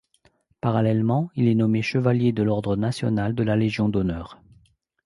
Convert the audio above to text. Parallèlement, il est nommé chevalier de l'ordre national de la Légion d'honneur.